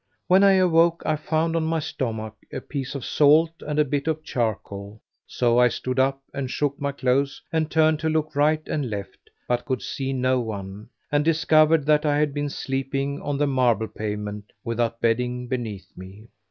When I awoke I found on my stomach a piece of salt and a bit of charcoal; so I stood up and shook my clothes and turned to look right and left, but could see no one; and discovered that I had been sleeping on the marble pavement without bedding beneath me.